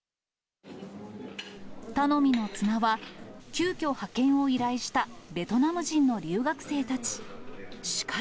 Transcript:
頼みの綱は、急きょ派遣を依頼したベトナム人の留学生たち。